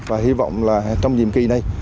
và hy vọng là trong nhiệm kỳ này